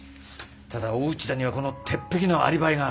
ただ大内田にはこの鉄壁のアリバイがある。